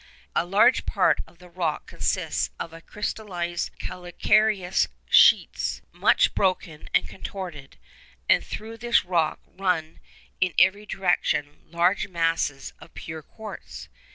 A large part of the rock consists of a crystallised calcareous schist, much broken and contorted; and through this rock run in every direction large masses of pure quartz.